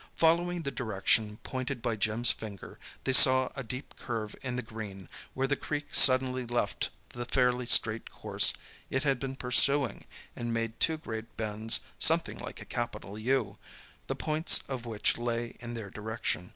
Following the direction pointed by Jim's finger, they saw a deep curve in the green, where the creek suddenly left the fairly straight course it had been pursuing and made two great bends something like a capital U, the points of which lay in their direction.